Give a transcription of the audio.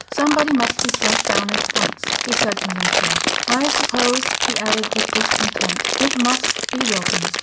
"Somebody must be sent down at once," he said to himself. "I suppose," he added, with discontent, "it must be Wilkins."